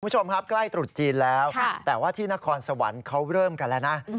คุณผู้ชมครับใกล้ตรุษจีนแล้วแต่ว่าที่นครสวรรค์เขาเริ่มกันแล้วนะ